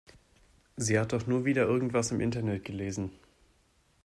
Sie hat doch nur wieder irgendwas im Internet gelesen.